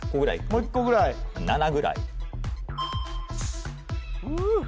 ・もう一個ぐらい７ぐらいフーッ！